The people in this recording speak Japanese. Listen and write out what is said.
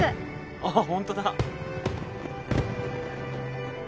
あっホントだ。